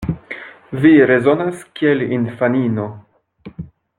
Vi rezonas kiel infanino.